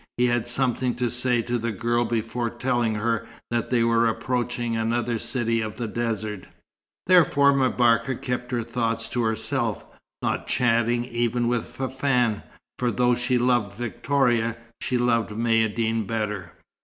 He had something to say to the girl before telling her that they were approaching another city of the desert. Therefore M'Barka kept her thoughts to herself, not chatting even with Fafann; for though she loved Victoria, she loved Maïeddine better.